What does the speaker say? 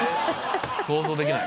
想像できない。